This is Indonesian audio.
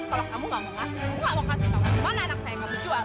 kalau kamu nggak mau ngasih aku nggak mau kasih tahu kemana anak saya kamu jual